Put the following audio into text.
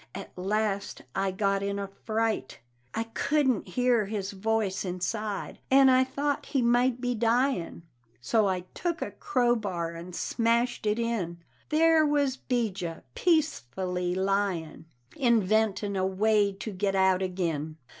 At last I got in a fright: I couldn't hear his voice inside, and I thought he might be dyin', So I took a crowbar and smashed it in. There was 'Bijah peacefully lyin', Inventin' a way to git out agin.